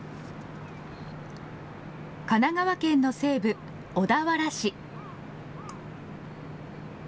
神奈川県の西部、小田原市。